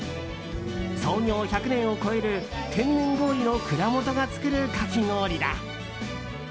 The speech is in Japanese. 創業１００年を超える天然氷の蔵元が作るかき氷だ。